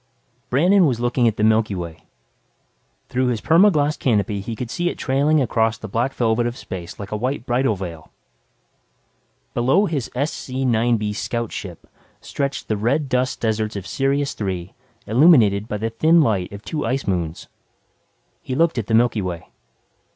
_ Brandon was looking at the Milky Way. Through his perma glas canopy, he could see it trailing across the black velvet of space like a white bridal veil. Below his SC9B scout ship stretched the red dust deserts of Sirius Three illuminated by the thin light of two ice moons. He looked at the Milky Way.